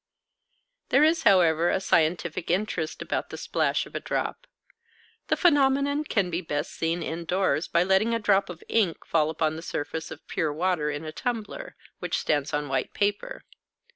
There is, however, a scientific interest about the splash of a drop. The phenomenon can be best seen indoors by letting a drop of ink fall upon the surface of pure water in a tumbler, which stands on white paper.